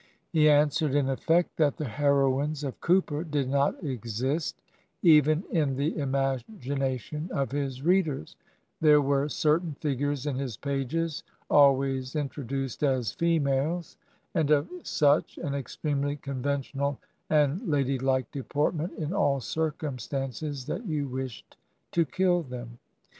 He answered in effect that the heroines of Cooper did not' exist even in the imagina tion of his readers; there were certain figures in his pages, always introduced as "females," and of such an extremely conventional and ladylike deportment in all circumstances that you wished to kill them.